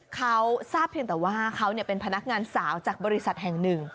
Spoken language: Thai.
เขาทราบเพียงแต่ว่าเขาเป็นพนักงานสาวจากบริษัทแห่งหนึ่ง